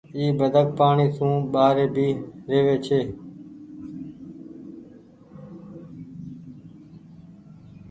اي بدڪ پآڻيٚ سون ٻآري ڀي رهوي ڇي۔